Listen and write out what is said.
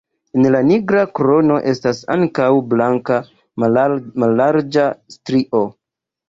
En la nigra krono estas ankaŭ blanka mallarĝa strio.